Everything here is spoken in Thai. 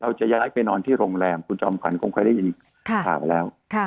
จะย้ายไปนอนที่โรงแรมคุณจอมขวัญคงเคยได้ยินข่าวแล้ว